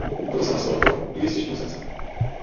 Proto jsem hlasoval pro, i když s těžkým srdcem.